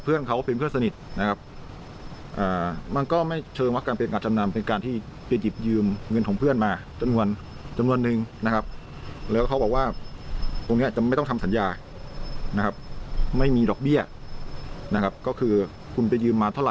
เพราะว่าไม่ได้เห็นเงินตัวนี้เลยนะครับ